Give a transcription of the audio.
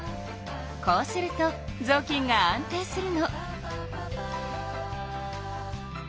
こうするとぞうきんが安定するの。